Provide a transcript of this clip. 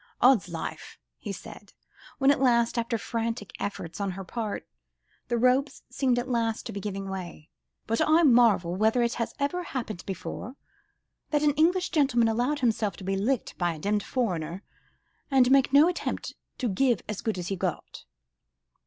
"Odd's life!" he said, when at last, after frantic efforts on her part, the ropes seemed at last to be giving way, "but I marvel whether it has ever happened before, that an English gentleman allowed himself to be licked by a demmed foreigner, and made no attempt to give as good as he got."